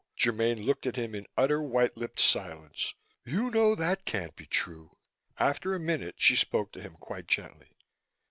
Germaine looked at him in utter, white lipped silence. "You know that can't be true." After a minute she spoke to him quite gently.